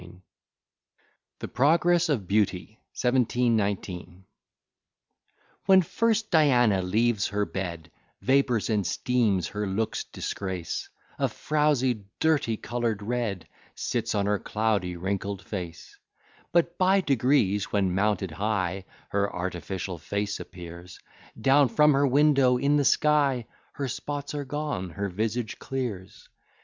] THE PROGRESS OF BEAUTY. 1719 When first Diana leaves her bed, Vapours and steams her looks disgrace, A frowzy dirty colour'd red Sits on her cloudy wrinkled face: But by degrees, when mounted high, Her artificial face appears Down from her window in the sky, Her spots are gone, her visage clears.